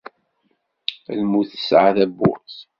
Lmut tesɛa tawwurt.